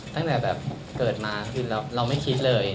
ตั้งแต่เกิดมาเราไม่คิดเลย